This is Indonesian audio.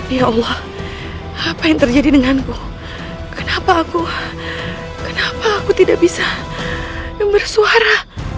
ya allah apa yang terjadi denganku kenapa aku kenapa aku tidak bisa yang bersuara